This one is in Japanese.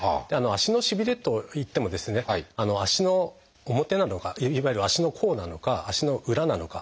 足のしびれといっても足の表なのかいわゆる足の甲なのか足の裏なのか。